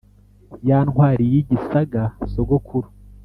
ya ntwari y’igisaga, sogokuru,